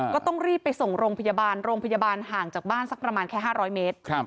ก็ต้องรีบไปส่งโรงพยาบาลโรงพยาบาลห่างจากบ้านสักประมาณแค่๕๐๐เมตร